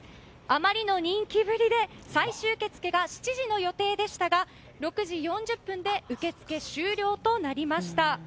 あまりの人気ぶりで最終受付が７時の予定でしたが６時４０分で受け付け終了となりました。